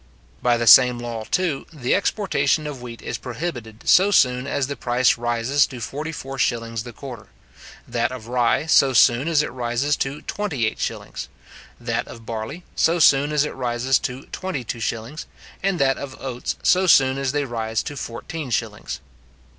By the same law, too, the exportation of wheat is prohibited so soon as the price rises to forty four shillings the quarter; that of rye so soon as it rises to twenty eight shillings; that of barley so soon as it rises to twenty two shillings; and that of oats so soon as they rise to fourteen shillings.